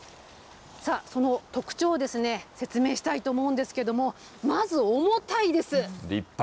さあ、その特徴を説明したいと思うんですけれども、まず重たいで立派。